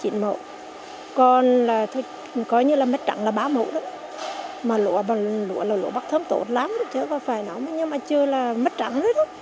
phải thu hoạch là được hơn chín